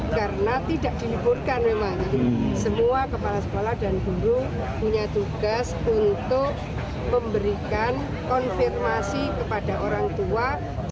karena tidak diliburkan memang semua kepala sekolah dan guru punya tugas untuk memberikan konfirmasi kepada orang tua